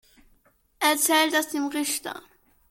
Erzähl das dem Richter.